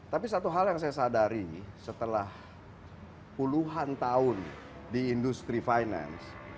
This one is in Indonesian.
tapi satu hal yang saya sadari setelah puluhan tahun di industri finance